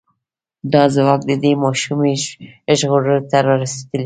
دا ځواک د دې ماشومې ژغورلو ته را رسېدلی و.